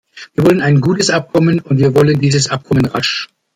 Wir wollen ein gutes Abkommen, und wir wollen dieses Abkommen rasch.